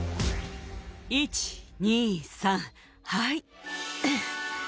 １、２、３、はい。